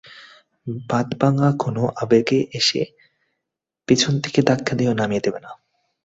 বাঁধভাঙা কোনো আবেগ এসে পেছন থেকে ধাক্কা দিয়েও নামিয়ে দেবে না।